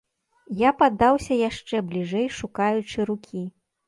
Я падаўся яшчэ бліжэй, шукаючы рукі.